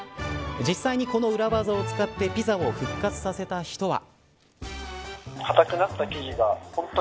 実際にこの裏技を使ってピザを復活させた人は。